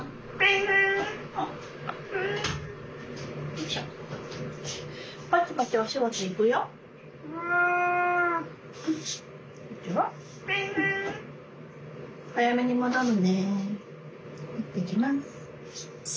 行ってきます。